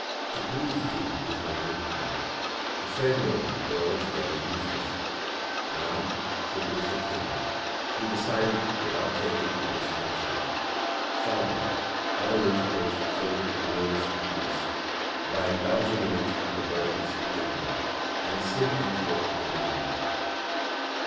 To please Thee is mine empire ; to say more were alto gether useless. Nanak, true is the King ; He decideth without taking others counsel. Father, other intercourse affordeth ruinous happiness ; By indulging in it the body is pained, and sin entereth the mind.